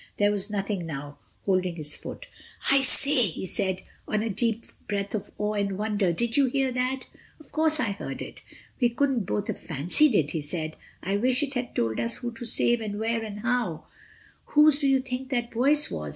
There was nothing now holding his foot. "I say," he said, on a deep breath of awe and wonder, "did you hear that?" "Of course, I heard it." "We couldn't both have fancied it," he said, "I wish it had told us who to save, and where, and how—" "Whose do you think that voice was?"